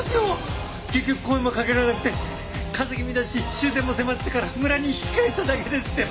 結局声もかけられなくて風邪気味だし終電も迫ってたから村に引き返しただけですってば！